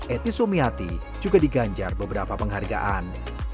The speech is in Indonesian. eti sumiati juga diganjar beberapa penghargaan